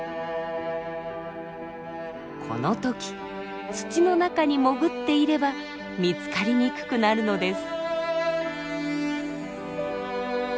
この時土の中に潜っていれば見つかりにくくなるのです。